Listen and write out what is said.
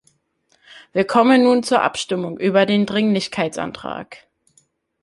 Wir kommen nun zur Abstimmung über den Dringlichkeitsantrag.